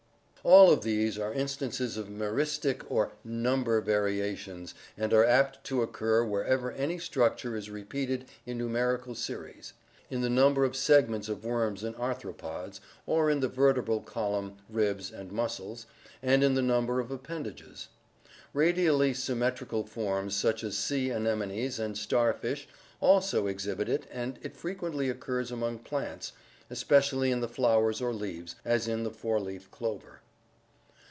All of these are instances of meristic (Gr. fidpos, part) or number variations and are apt to occur wherever any structure is repeated in numerical series: in the number of segments of worms and arthropods, or in the vertebral column, ribs, and muscles, and in the number of appendages. Radially symmetrical forms such as sea anemones and starfish also exhibit it and it frequently occurs among plants, especially in the flowers or leaves, as in the four leaf clover.